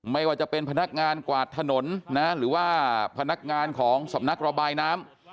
ไม่ว่าจะเป็นพนักงานกวาดถนนนะหรือว่าพนักงานของสำนักระบายน้ำ